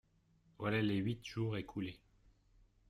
Voilà les huit jours écoulés.